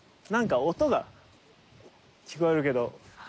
なんか音が聞こえるけど。